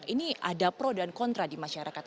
ini ada pro dan kontra di masyarakat